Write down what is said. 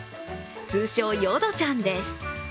通称・ヨドちゃんです。